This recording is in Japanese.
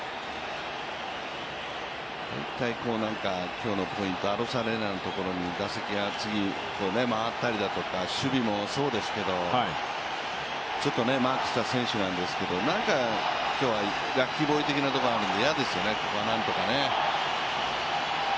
今回、ポイントアロザレーナ選手のところに次、回ったりだとか、守備もそうですけど、ちょっとマークした選手なんですけど、なんか今日はラッキーボーイ的なところがあるので嫌ですよね。